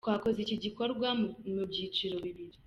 Twakoze iki gikorwa mu byiciro bibiri.